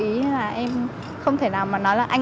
hay là em không thể nào mà nói là